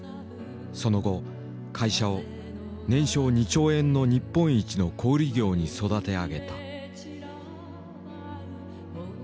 その後会社を年商２兆円の日本一の小売業に育て上げた。